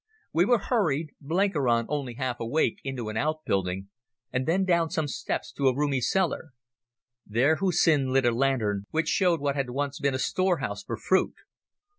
We were hurried, Blenkiron only half awake, into an outbuilding, and then down some steps to a roomy cellar. There Hussin lit a lantern, which showed what had once been a storehouse for fruit.